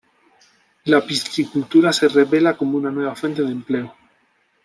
La piscicultura se revela como una nueva fuente de empleo.